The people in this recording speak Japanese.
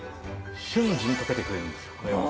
瞬時に溶けてくれるんですよ。